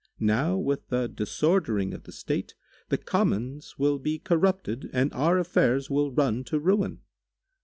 Now with the disordering of the state the commons will be corrupted and our affairs will run to ruin.